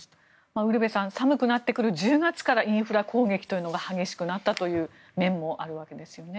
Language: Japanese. ウルヴェさん寒くなってくる１０月からインフラ攻撃が激しくなったという面もあるわけですよね。